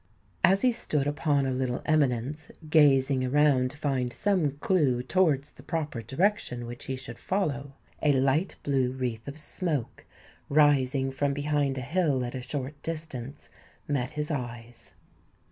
As he stood upon a little eminence, gazing around to find some clue towards the proper direction which he should follow, a light blue wreath of smoke, rising from behind a hill at a short distance, met his eyes.